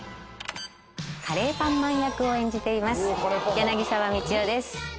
カレーパンマン役を演じています柳沢三千代です